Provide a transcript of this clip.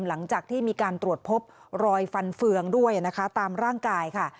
หลังจากที่มีการตรวจพบรอยฟันเฟืองด้วยนะคะตามร่างกายค่ะ